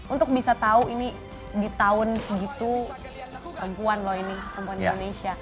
untuk bisa tahu ini di tahun segitu perempuan loh ini perempuan indonesia